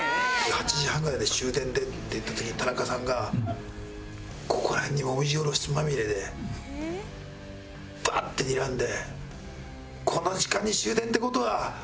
「８時半ぐらいで終電で」って言った時に田中さんがここら辺にもみじおろしまみれでバッてにらんで。